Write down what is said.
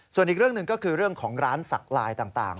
ส่วนอีกเรื่องหนึ่งก็คือเรื่องของร้านสักลายต่าง